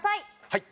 はい。